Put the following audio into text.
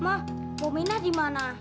ma bominah di mana